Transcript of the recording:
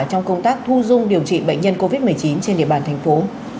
trong công tác thu dung điều trị bệnh nhân covid một mươi chín trên địa bàn thành phố